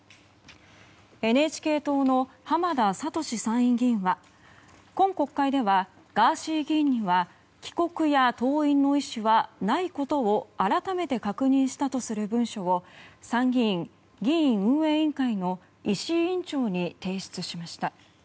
ＮＨＫ党の浜田聡参院議員は今国会ではガーシー議員には帰国や登院の意思はないことを改めて確認したとする文書を参議院議院運営委員会の石井委員長に提出しました。